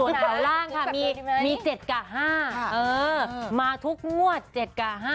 ส่วนแผวนล่างค่ะมีมีเจ็ดกับห้าเออมาทุกหมวดเจ็ดกับห้า